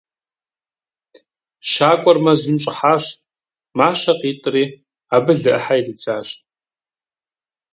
Щакӏуэр мэзым щӏыхьащ, мащэ къитӏри, абы лы ӏыхьэ иридзащ.